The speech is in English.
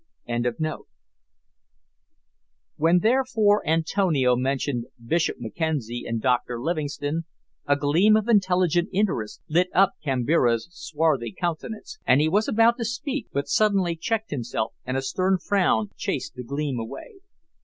] When, therefore, Antonio mentioned Bishop Mackenzie and Dr Livingstone, a gleam of intelligent interest lit up Kambira's swarthy countenance, and he was about to speak, but suddenly checked himself, and a stern frown chased the gleam away.